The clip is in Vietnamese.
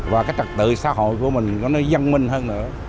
và cái trật tự xã hội của mình nó dân minh hơn nữa